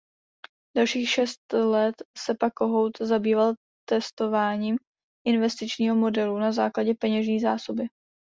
Dalších šest let se pak Kohout zabýval testováním investičního modelu na základě peněžní zásoby.